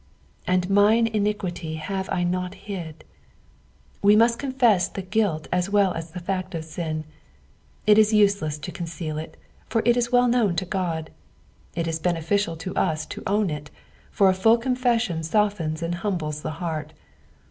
"And mint iniquity have I not hid." We must confess the guilt as well B« the fact of sin. It is useless to conceal it, for it is well known to Ood ; it ia beneficial to us to own it, for a full confession softens and humbles the heart.